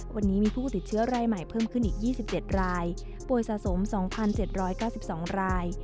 วันนี้มีผู้ติดเชื้อรายใหม่เพิ่มขึ้นอีก๒๗รายป่วยสะสม๒๗๙๒ราย